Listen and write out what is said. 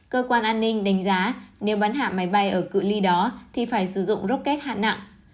cơ quan an ninh đánh giá nếu bắn hạ máy bay ở cự li đó thì phải sử dụng rocket hạn nặng